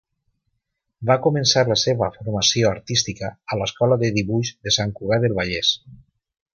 Va començar la seva formació artística a l'Escola de Dibuix de Sant Cugat del Vallès.